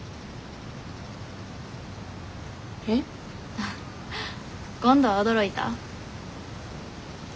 あっ今度は驚いた？